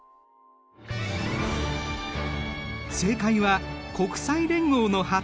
正解は国際連合の旗。